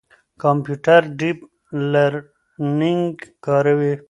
کمپيوټر ډيپ لرنينګ کاروي.